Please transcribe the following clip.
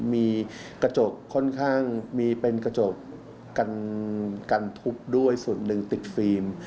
มีกระจกค่อนข้างมีเป็นกระจกกันทุบด้วยส่วนหนึ่งติดฟิล์ม